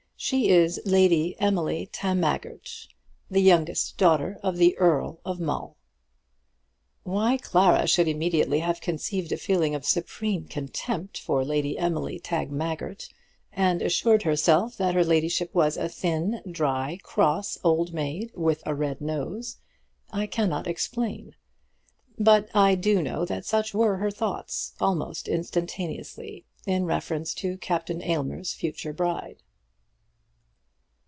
She is Lady Emily Tagmaggert, the youngest daughter of the Earl of Mull. Why Clara should immediately have conceived a feeling of supreme contempt for Lady Emily Tagmaggert, and assured herself that her ladyship was a thin, dry, cross old maid with a red nose, I cannot explain; but I do know that such were her thoughts, almost instantaneously, in reference to Captain Aylmer's future bride.